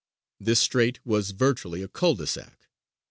This strait was virtually a cul de sac.